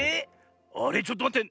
あれちょっとまって。